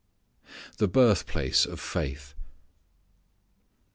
The Birthplace of Faith.